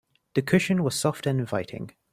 The cushion was soft and inviting.